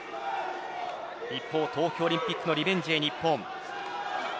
一方、東京オリンピックのリベンジへ日本。